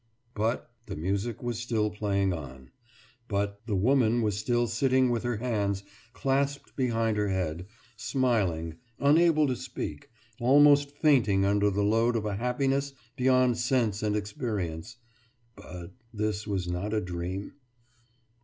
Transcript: « But the music was still playing on. But the woman was still sitting with her hands clasped behind her head, smiling, unable to speak, almost fainting under the load of a happiness beyond sense and experience. But this was not a dream!